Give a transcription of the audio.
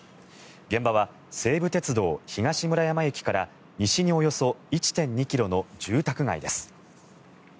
現場は西武鉄道東村山駅から西におよそ１．２ｋｍの住宅街です。